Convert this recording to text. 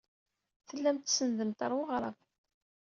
Tellamt tsenndemt ɣer weɣrab.